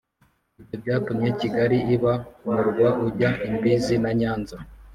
ibyo byatumye kigali iba umurwa ujya imbizi na nyanza.